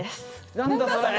何だそれ？